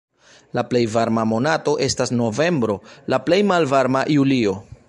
La plej varma monato estas novembro, la plej malvarma julio.